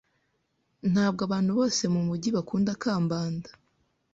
Ntabwo abantu bose mumujyi bakunda Kambanda.